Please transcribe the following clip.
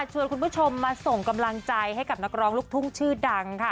ชวนคุณผู้ชมมาส่งกำลังใจให้กับนักร้องลูกทุ่งชื่อดังค่ะ